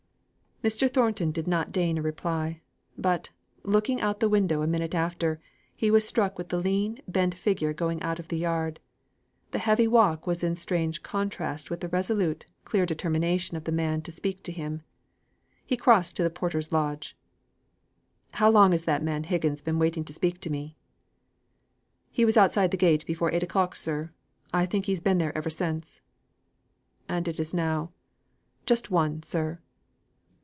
Mr. Thornton did not deign a reply. But, looking out of the window a minute later, he was struck with the lean, bent figure going out of the yard; the heavy walk was in strange contrast with the resolute, clear determination of the man to speak to him. He crossed to the porter's lodge: "How long has that man Higgins been waiting to speak to me?" "He was outside the gate before eight o'clock, sir. I think he's been there ever since." "And it is now ?" "Just one, sir."